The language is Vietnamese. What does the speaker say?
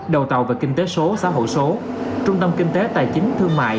đầu tàu về kinh tế số xã hội số trung tâm kinh tế tài chính thương mại